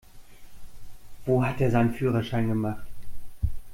Wo hat der seinen Führerschein gemacht?